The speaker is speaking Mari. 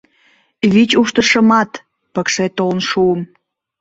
Вич уштышымат пыкше толын шуым.